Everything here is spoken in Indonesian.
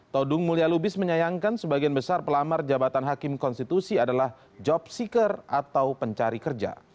todung mulia lubis menyayangkan sebagian besar pelamar jabatan hakim konstitusi adalah job seaker atau pencari kerja